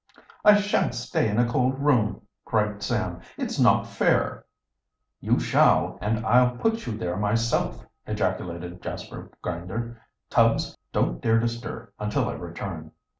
"I shan't stay in a cold room!" cried Sam. "It's not fair." "You shall, and I'll put you there myself!" ejaculated Jasper Grinder. "Tubbs, don't dare to stir until I return."